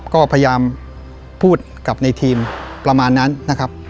ก็พยายามพูดกับในทีมประมาณนั้นนะครับ